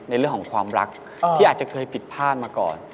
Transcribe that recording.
ในเรื่องของความรักที่อาจจะเคยผิดพลาดมาก่อน